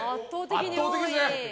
圧倒的ですね。